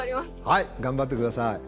はい頑張って下さい。